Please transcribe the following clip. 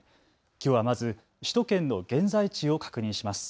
きょうはまず首都圏の現在地を確認します。